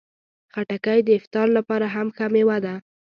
خټکی د افطار لپاره هم ښه مېوه ده.